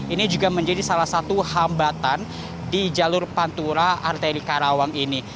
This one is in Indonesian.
ini juga menjadi salah satu hambatan di jalur pantura arteri karawang ini